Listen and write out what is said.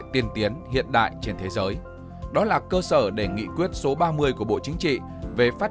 tiên tiến hiện đại trên thế giới đó là cơ sở để nghị quyết số ba mươi của bộ chính trị về phát